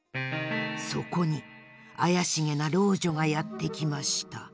そこにあやしげなろうじょがやってきました。